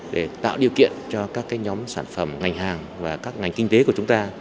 để tạo điều kiện cho các nhóm sản phẩm ngành hàng và các ngành kinh tế của chúng ta